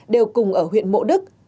đều cùng ở huyện mộ đức